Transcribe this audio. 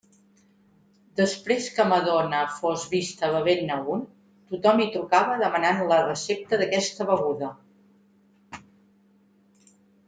Després que Madonna fos vista bevent-ne un, tothom hi trucava demanant la recepta d'aquesta beguda.